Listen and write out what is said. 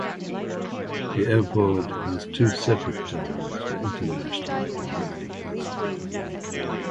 The airport has two separate terminals for international and domestic passengers.